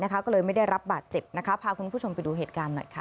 ก็เลยไม่ได้รับบาดเจ็บนะคะพาคุณผู้ชมไปดูเหตุการณ์หน่อยค่ะ